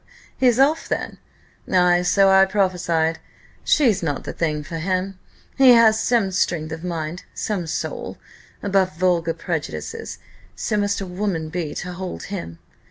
He's off then! Ay, so I prophesied; she's not the thing for him: he has some strength of mind some soul above vulgar prejudices; so must a woman be to hold him.